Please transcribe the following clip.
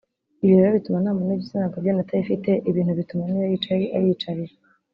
Ibi rero bituma nta muntu w’igitsina gabo ugenda atayifite ibintu bituma n’iyo yicaye ayicarira